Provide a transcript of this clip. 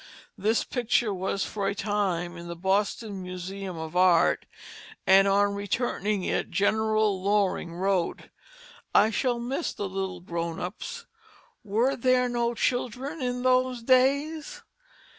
This picture was for a time in the Boston Museum of Art, and on returning it General Loring wrote, "I shall miss the little grown ups were there no children in those days?"